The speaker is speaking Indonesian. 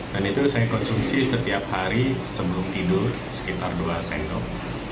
dan itu saya konsumsi setiap hari sebelum tidur sekitar dua sendok